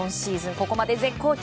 ここまで絶好調！